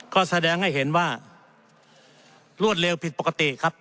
ก็แสดงให้เห็นว่ารวดเร็วผิดปกติครับ